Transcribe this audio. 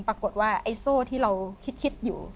ปรากฏว่าไอ้โซ่ที่เราคิดอยู่